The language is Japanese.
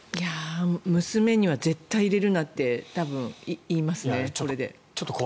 娘には絶対に入れるなって多分、言いますね。